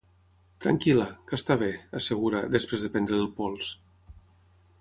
Tranquil·la, que està bé —assegura, després de prendre-li el pols—.